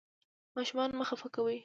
ماشومان مه خفه کوئ.